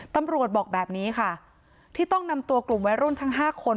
ตำรวจบอกแบบนี้ค่ะที่ต้องนำตัวกลุ่มวัยรุ่นทั้ง๕คน